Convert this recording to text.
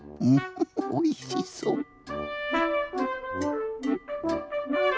おいしそう！